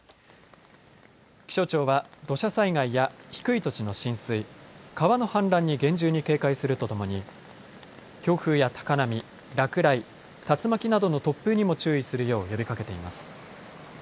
気象庁は土砂災害や低い土地の浸水、川の氾濫に厳重に警戒するとともに強風や高波、落雷、竜巻などの突風にも注意するよう呼びかけています。